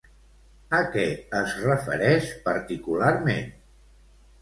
A què es refereix particularment?